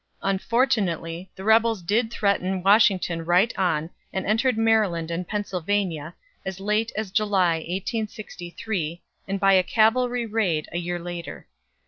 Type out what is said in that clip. (Unfortunately, the rebels did threaten Washington right on and entered Maryland and Pennsylvania, as late as July, 1863, and by a cavalry raid, a year later.)